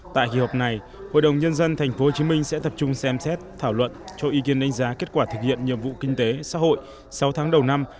tại kỳ họp này hội đồng nhân dân tp hcm sẽ tập trung xem xét thảo luận cho ý kiến đánh giá kết quả thực hiện nhiệm vụ kinh tế xã hội sáu tháng đầu năm